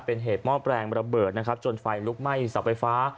เป็นเหตุมอบแรงระเบิดจนไฟลุกไหม้สตร์ไฟฟ้า